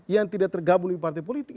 yang tidak tergabung di partai politik